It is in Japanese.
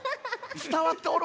つたわっておる？